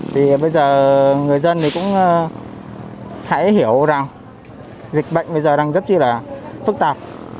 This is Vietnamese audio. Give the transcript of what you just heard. thì bây giờ người dân thì cũng hãy hiểu rằng dịch bệnh bây giờ đang rất là phức tạp